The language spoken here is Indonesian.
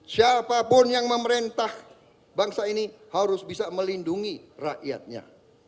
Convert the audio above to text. siapapun yang memerintah bangsa ini harus bisa melindungi rakyatnya